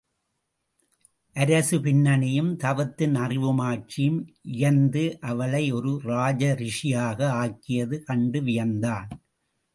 அரசு பின்னணியும், தவத்தின் அறிவு மாட்சியும் இயைந்து அவளை ஒரு ராஜரிஷியாக ஆக்கியது கண்டு வியந்தான்.